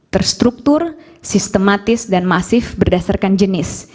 terstruktur sistematis dan masif berdasarkan jenis